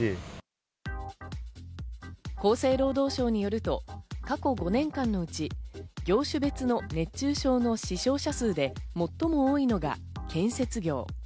厚生労働省によると、過去５年間のうち、業種別の熱中症の死傷者数で最も多いのが建設業。